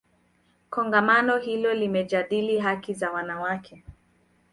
kongamano hilo limejadili haki za wanawake